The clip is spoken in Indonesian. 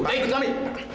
udah ikut kami